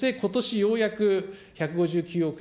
ようやく１５９億円